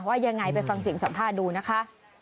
ว่ายังไงไปฟังเสียงสัมภาษณ์ดูนะคะ